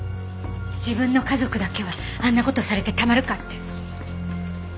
自分の家族だけはあんな事されてたまるかって。